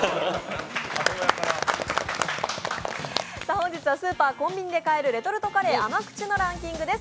本日はスーパーコンビニで買える甘口のカレーランキングです。